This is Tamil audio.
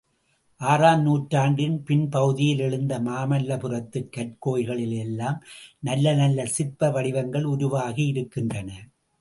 ஆறாம் நூற்றாண்டின் பின் பகுதியில் எழுந்த மாமல்லபுரத்துக் கற்கோயில்களில் எல்லாம் நல்ல நல்ல சிற்ப வடிவங்கள் உருவாகியிருக்கின்றன.